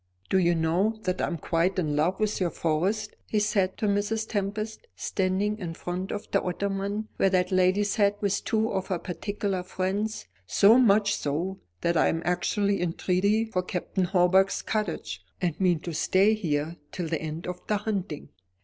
"Do you know that I am quite in love with your Forest?" he said to Mrs. Tempest, standing in front of the ottoman where that lady sat with two of her particular friends; "so much so, that I am actually in treaty for Captain Hawbuck's cottage, and mean to stay here till the end of the hunting."